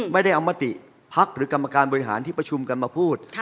ไม่ได้เอามติภักดิ์หรือกรรมการบริหารที่ประชุมกันมาพูด